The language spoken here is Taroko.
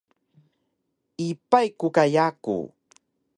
Ipay ku ka yaku